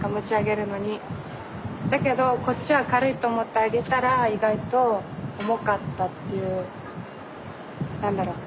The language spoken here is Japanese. だけどこっちは軽いと思って上げたら意外と重かったっていうなんだろう？